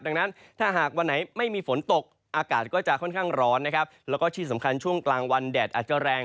ดังนั้นถ้าหากวันไหนไม่มีฝนตกอากาศก็จะค่อนข้างร้อนนะครับแล้วก็ที่สำคัญช่วงกลางวันแดดอาจจะแรง